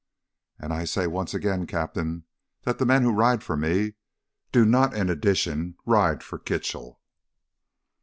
"And I say once again, Captain, that men who ride for me do not in addition ride for Kitchell."